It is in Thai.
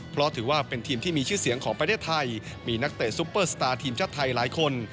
เพราะถือว่าเป็นทีมที่มีชื่อเสียงของประเทศไทยมีนักเตะซุปเปอร์สตาร์ทีมชาติไทยหลายคน